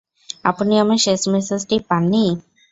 আপনি আমার শেষ মেসেজটি পাননি?